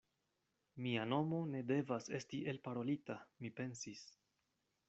Mia nomo ne devas esti elparolita, mi pensis.